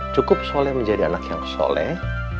cukup soleh menjadi anak yang soleh